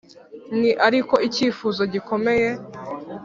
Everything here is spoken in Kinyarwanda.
ni ariko icyifuzo gikomeye